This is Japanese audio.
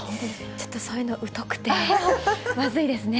ちょっとそういうの疎くて、まずいですね。